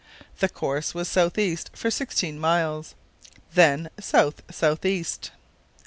The course was south east for sixteen miles, then south south east.